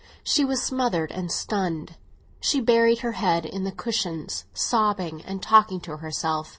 She was smothered and stunned; she buried her head in the cushions, sobbing and talking to herself.